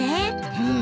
うん。